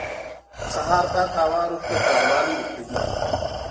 • د سهار پاکه هوا روح ته تازهوالی ورکوي.